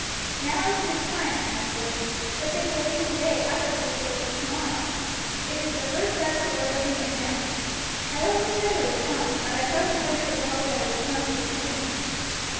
Now is your time, my boy; what they believe today others will believe tomorrow; it is the first step toward living it down. I always said it would come, but I hardly ventured to hope that it would come so soon."